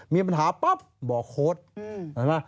มีปัญหาบอกโคแทศน์